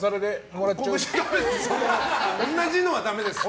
同じのはダメです。